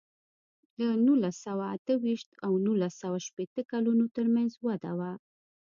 د نولس سوه اته ویشت او نولس سوه شپېته کلونو ترمنځ وده وه.